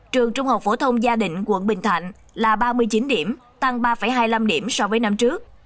trường trung học phổ thông gia định quận bình thạnh là ba mươi chín điểm tăng ba hai mươi năm điểm so với năm trước